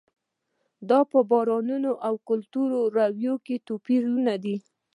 دا په باورونو او کلتوري رویو کې توپیرونه دي.